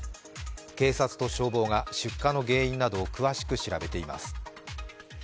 警察と消防が出火の原因などを詳しく調べています。